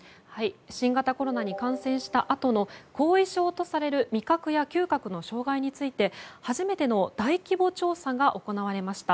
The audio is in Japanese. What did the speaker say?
新型コロナに感染したあとの後遺症とされる味覚や嗅覚の障害について初めての大規模調査が行われました。